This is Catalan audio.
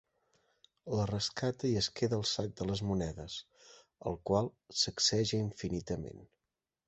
La rescata i es queda el sac de les monedes, el qual sacseja infinitament.